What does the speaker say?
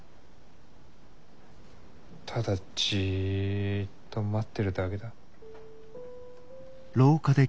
ただじっと待ってるだけだ。